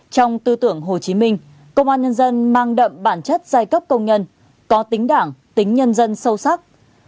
trong tư tưởng hồ chí minh công an nhân dân mang đậm bản chất giai cấp công nhân có tính đảng tính nhân dân sâu sắc